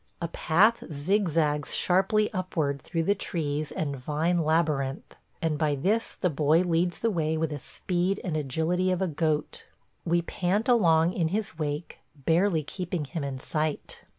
A path zigzags sharply upward through the trees and vine labyrinth, and by this the boy leads the way with the speed and agility of a goat. We pant along in his wake, barely keeping him in sight.